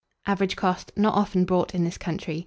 Average cost. Not often bought in this country.